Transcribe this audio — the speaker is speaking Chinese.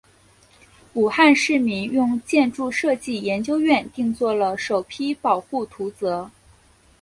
武汉市民用建筑设计研究院定做了首批保护图则。